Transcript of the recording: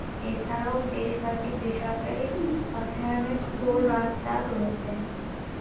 এছাড়াও বেশ কয়েকটি বেসরকারী অর্থায়নে টোল রাস্তা রয়েছে।